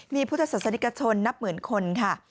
มีพุทธศาสนิกชนนับหมื่นคนค่ะ